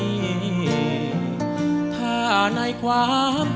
ถ้าในความจริงสองเรามีอนาคกลัยผลลัพธ์ที่เกิดกับใจก็คงเหมือนตายจากกัน